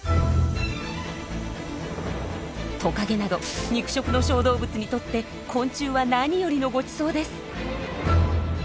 トカゲなど肉食の小動物にとって昆虫は何よりのごちそうです。